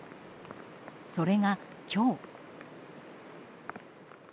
それが、今日。